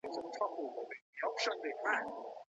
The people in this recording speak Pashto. که له دواړو شرونو څخه ځان ساتل ممکن نه وه.